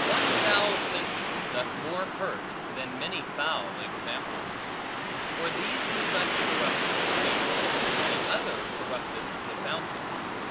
One foul sentence doth more hurt, than many foul examples. For these do but corrupt the stream, the other corrupteth the fountain.